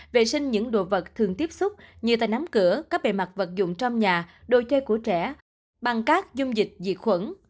vệ sinh những đồ vật thường tiếp xúc như tay nắm cửa các bề mặt vật dụng trong nhà đồ chơi của trẻ bằng các dung dịch diệt khuẩn